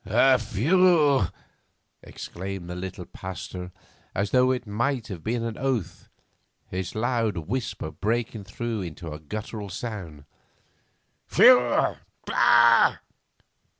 'Pfui!' exclaimed the little Pasteur as though it might have been an oath, his loud whisper breaking through into a guttural sound, 'pfui! Bah!